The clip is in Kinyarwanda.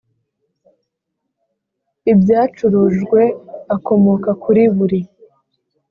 ibyacurujwe akomoka kuri buri